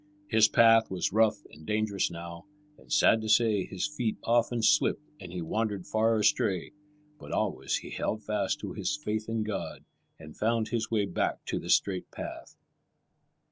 His path was rough and dangerous now, and sad to say his feet often slipped and he wandered far astray, but always he held fast to his faith in God, and found his way back to the straight path.